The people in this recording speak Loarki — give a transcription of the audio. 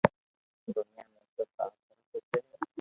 دنيا ۾ سب آپ ھارون سوچي ھي